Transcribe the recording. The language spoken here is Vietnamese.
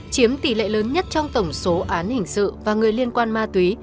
chiếm tỷ lệ lớn nhất trong tổng số án hình sự và người liên quan ma túy